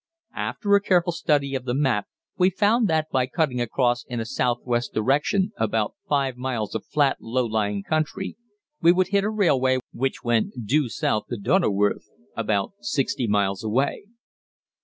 After a careful study of the map we found that, by cutting across in a southwest direction about five miles of flat, low lying country, we would hit a railway which went due south to Donnauwörth, about 60 miles away.